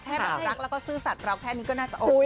แบบรักแล้วก็ซื่อสัตว์เราแค่นี้ก็น่าจะโอเค